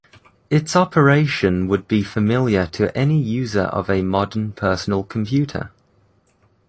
Its operation would be familiar to any user of a modern personal computer.